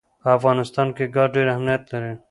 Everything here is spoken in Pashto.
په افغانستان کې ګاز ډېر اهمیت لري.